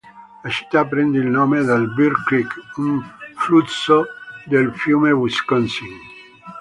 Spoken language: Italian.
La città prende il nome dal "Bear Creek", un flusso del fiume Wisconsin.